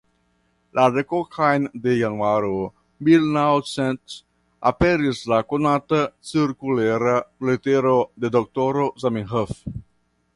La dekokan de Januaro milnaŭcentok aperis la konata cirkulera letero de Doktoro Zamenhof.